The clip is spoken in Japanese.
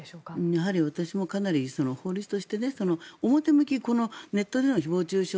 やはり私もかなり法律として表向き、ネットでの誹謗・中傷